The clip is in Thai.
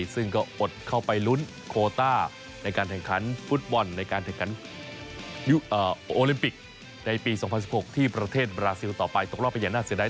ซึ่งก็อดเข้าไปลุ้นโคต้าในการแข่งขันฟุตบอลในการแข่งขันโอลิมปิกในปี๒๐๑๖ที่ประเทศบราซิลต่อไปตกรอบไปอย่างน่าเสียดาย